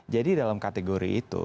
jadi dalam kategori itu